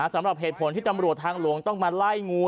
สำหรับเหตุผลที่ตำรวจทางหลวงต้องมาไล่งู